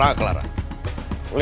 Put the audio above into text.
udah gak usah baik ngomong